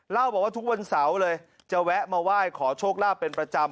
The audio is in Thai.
เล่าบอกว่าทุกวันเสาร์เลยจะแวะมาไหว้ขอโชคลาภเป็นประจำ